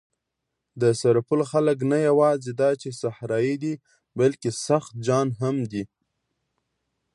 د سرپل خلک نه یواځې دا چې صحرايي دي، بلکې سخت جان هم دي.